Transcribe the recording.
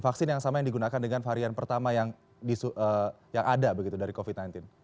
vaksin yang sama yang digunakan dengan varian pertama yang ada begitu dari covid sembilan belas